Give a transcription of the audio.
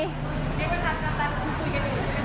นี่ก็ค่ะคุยกันอยู่แล้ว